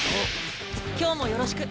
今日もよろしく。